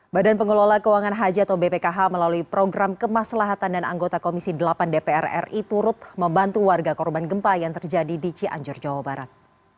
badan pengelola keuangan haji atau bpkh melalui program kemaslahatan dan anggota komisi delapan dpr ri turut membantu warga korban gempa yang terjadi di cianjur jawa barat